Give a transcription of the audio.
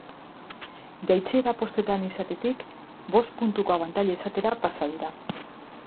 Jaitsiera postuetan izatetik bost puntuko abantaila izatera pasa dira.